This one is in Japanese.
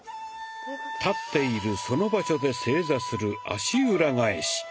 立っているその場所で正座する「足裏返し」。